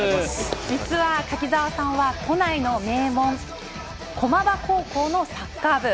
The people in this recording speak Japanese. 実は柿澤さんは都内の名門駒場高校のサッカー部。